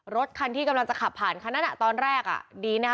รถคันที่กำลังจะขับผ่านคันนั้นตอนแรกอ่ะดีนะคะ